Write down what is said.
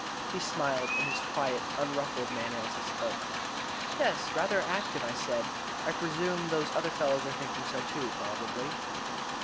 He smiled in his quiet, unruffled manner as he spoke. "Yes rather active," I said. "I presume those other fellows are thinking so too, probably."